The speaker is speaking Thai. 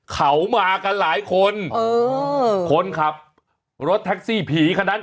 เขามากันหลายคนเออคนขับรถแท็กซี่ผีคนนั้น